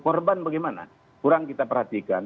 korban bagaimana kurang kita perhatikan